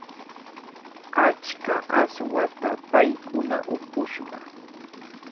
Achka aswata paykuna upushqa.